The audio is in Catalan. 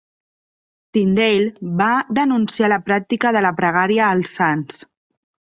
Tyndale va denunciar la pràctica de la pregària als sants.